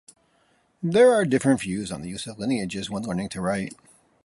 There are different views on the use of lineages when learning to write.